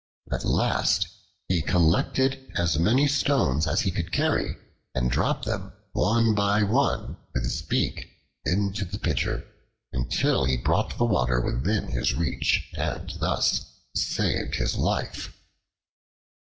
At last he collected as many stones as he could carry and dropped them one by one with his beak into the pitcher, until he brought the water within his reach and thus saved his life.